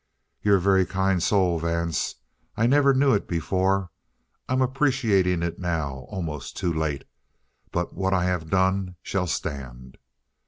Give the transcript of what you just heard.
"You're a very kind soul, Vance. I never knew it before. I'm appreciating it now almost too late. But what I have done shall stand!"